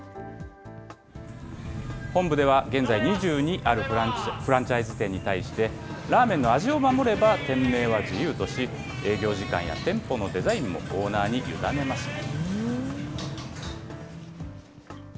本部では、現在、２２あるフランチャイズ店に対して、ラーメンの味を守れば店名は自由とし、営業時間や店舗のデザインもオーナーに委ねました。